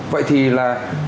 vậy thì là